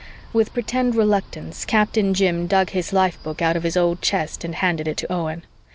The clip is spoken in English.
With pretended reluctance Captain Jim dug his life book out of his old chest and handed it to Owen.